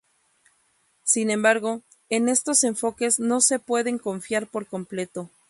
Sin embargo, en estos enfoques no se pueden confiar por completo.